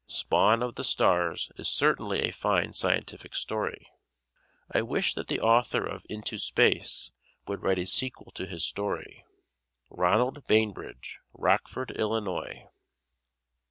"Spawn of the Stars" is certainly a fine scientific story. I wish that the author of "Into Space" would write a sequel to his story. Ronald Bainbridge, Rockford, Illinois.